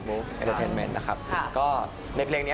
แต่ว่าถ้าเราไม่ลองปุ๊บเนี่ย